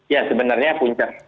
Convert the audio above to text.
ya sebenarnya puncak